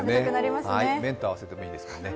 麺と合わせてもいいですよね。